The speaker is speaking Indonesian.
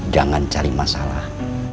jangan cari masalah